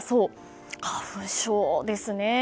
花粉症ですね。